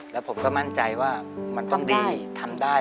แล้วผมก็มั่นใจว่ามันต้องดีทำได้